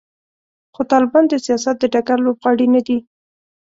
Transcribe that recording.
خو طالبان د سیاست د ډګر لوبغاړي نه دي.